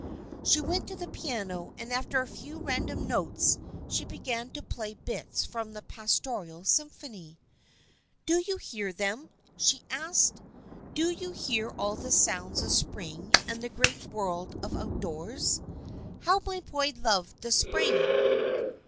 She went to the piano and after a few random notes she began to play bits from the Pastoral Symphony. " Do you hear them ?" she asked. " Do you hear all the sounds of spring and the great world of outdoors ? How my boy loved the spring